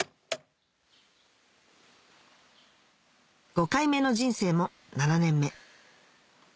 ５回目の人生も７年目